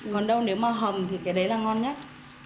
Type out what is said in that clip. còn đâu nếu mà hồng thì cái đấy là ngon nhất